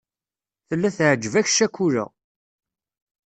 Tella teεǧeb-ak ccakula.